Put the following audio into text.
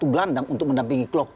satu gelandang untuk mendampingi klub